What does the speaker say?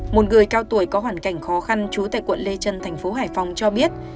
một người cao tuổi có hoàn cảnh khó khăn chú tại quận lê trân thành phố hải phòng cho biết